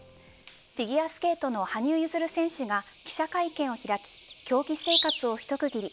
フィギュアスケートの羽生結弦選手が記者会見を開き競技生活を一区切り。